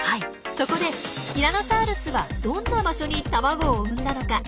そこでティラノサウルスはどんな場所に卵を産んだのか？